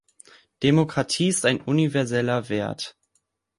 Demokratie ist ein universeller Wert.